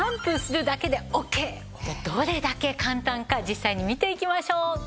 どれだけ簡単か実際に見ていきましょう。